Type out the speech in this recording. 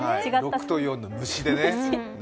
６と４の「ムシ」でね。